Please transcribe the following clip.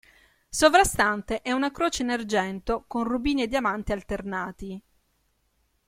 Sovrastante è una croce in argento con rubini e diamanti alternati.